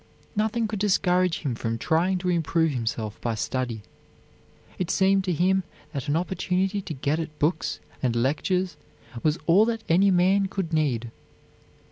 Nothing could discourage him from trying to improve himself by study. It seemed to him that an opportunity to get at books and lectures was all that any man could need.